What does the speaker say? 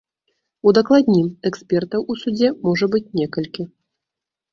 Удакладнім, экспертаў у судзе можа быць некалькі.